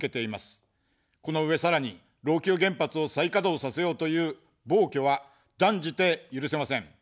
この上さらに老朽原発を再稼働させようという暴挙は断じて許せません。